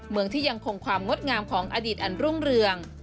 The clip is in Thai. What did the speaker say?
เมืองที่ยังคงความงดงามของอดีตอันรุ่งเรือง